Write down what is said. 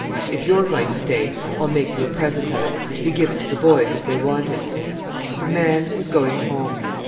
If you are going to stay I'll make you a present of it, to be given to the boys if they want it." The man was going home.